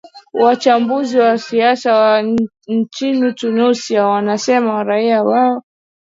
wachambuzi wa siasa wa nchini tunisia wanasema raia hao wamechoshwa na ukandamizaji na hivyo